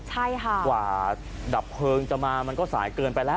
ที่ก่อดับเคริงจะมามันก็สายเกินไปแล้ว